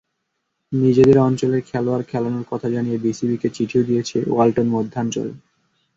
নিজেদের অঞ্চলের খেলোয়াড় খেলোনোর কথা জানিয়ে বিসিবিকে চিঠিও দিয়েছে ওয়ালটন মধ্যাঞ্চল।